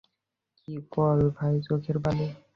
কী বল, ভাই চোখের বালি।